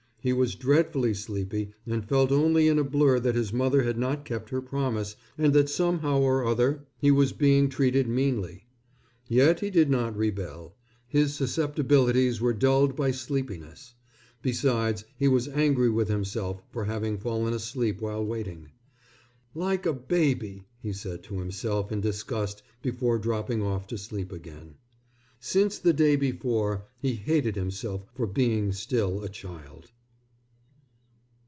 He was dreadfully sleepy and felt only in a blur that his mother had not kept her promise and that somehow or other he was being treated meanly. Yet he did not rebel. His susceptibilities were dulled by sleepiness. Besides, he was angry with himself for having fallen asleep while waiting. "Like a baby," he said to himself in disgust before dropping off to sleep again. Since the day before he hated himself for being still a child.